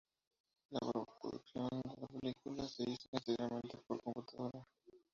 La posproducción de la película se hizo íntegramente por computadora.